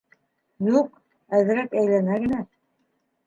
Юҡ, әҙерәк әйләнә генә.